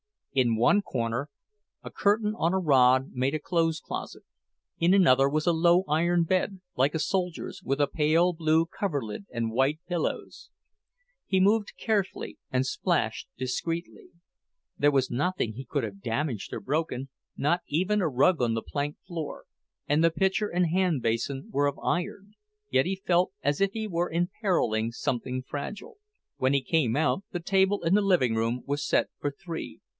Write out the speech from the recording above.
In one corner, a curtain on a rod made a clothes closet; in another was a low iron bed, like a soldier's, with a pale blue coverlid and white pillows. He moved carefully and splashed discreetly. There was nothing he could have damaged or broken, not even a rug on the plank floor, and the pitcher and hand basin were of iron; yet he felt as if he were imperiling something fragile. When he came out, the table in the living room was set for three.